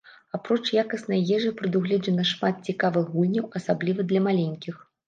Апроч якаснай ежы прадугледжана шмат цікавых гульняў, асабліва для маленькіх.